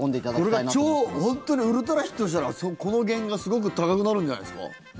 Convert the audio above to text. これが超本当にウルトラヒットしたらこの原画、すごく高くなるんじゃないですか。